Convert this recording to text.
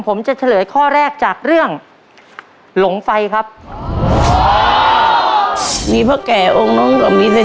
ผมจะเฉลยข้อแรกจากเรื่องหลงไฟครับมีพ่อแก่องค์น้องต่อมีใส่